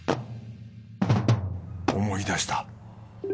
思い出した。